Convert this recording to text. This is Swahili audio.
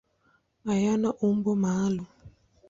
Hayana umbo maalum.